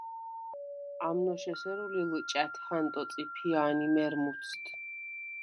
ამნოშ ესერუ ლი ლჷჭა̈თ ჰანტო წიფია̄ნ ი მერმუცდ!